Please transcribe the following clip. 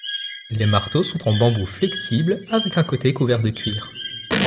Les marteaux sont en bambou flexible, avec un côté couvert de cuir.